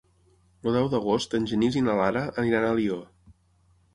El deu d'agost en Genís i na Lara aniran a Alió.